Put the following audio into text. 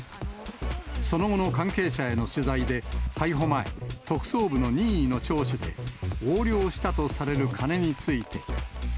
その後の関係者への取材で、逮捕前、特捜部の任意の聴取で、横領したとされる金について。